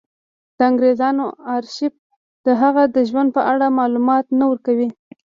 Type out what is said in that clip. د انګرېزانو ارشیف د هغه د ژوند په اړه معلومات نه ورکوي.